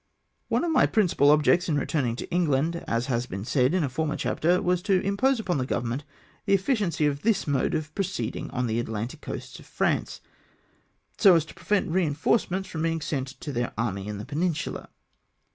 One of my principal objects in returning to England, as has been said in a former chapter, was to impress upon the government the efficiency of this mode of proceeding on the Atlantic coasts of France, so as to prevent reinforcements from being sent to their army in the Peninsula.